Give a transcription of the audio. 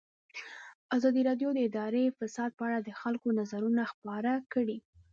ازادي راډیو د اداري فساد په اړه د خلکو نظرونه خپاره کړي.